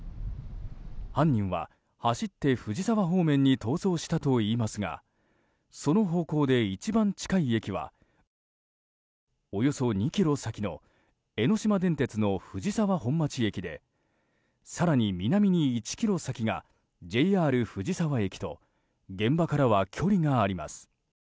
犯人は、走って藤沢方面に逃走したといいますがその方向で一番近い駅はおよそ２ｋｍ先の江ノ島電鉄の藤沢本町駅で更に南に１ｋｍ先がＪＲ藤沢駅と現場からは距離があります。